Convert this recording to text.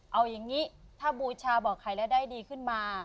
เอาอย่างนี้ถ้าบูชาบอกใครแล้วได้ดีขึ้นมา